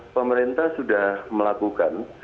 pemerintah sudah melakukan